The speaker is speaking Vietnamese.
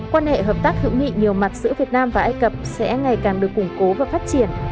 quan hệ hợp tác hữu nghị nhiều mặt giữa việt nam và ai cập sẽ ngày càng được củng cố và phát triển